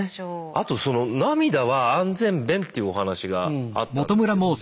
あとその「涙は安全弁」というお話があったんですけどそれは？